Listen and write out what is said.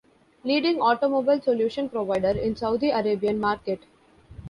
Leading automobile solution provider in Saudi Arabian market.